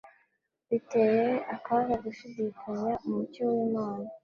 Biteye akaga gushidikanya Umucyo w'Imana,